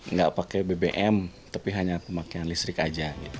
nggak pakai bbm tapi hanya pemakaian listrik aja